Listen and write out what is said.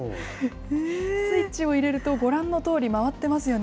スイッチを入れると、ご覧のとおり、回ってますよね。